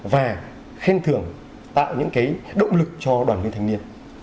và khen thưởng tạo những động lực cho đoàn viên thanh niên